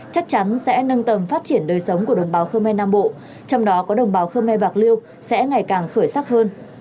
chắc chắn sẽ nâng tầm phát triển đời sống của đồng bào khơ me nam bộ trong đó có đồng bào khơ me bạc liêu sẽ ngày càng khởi sắc hơn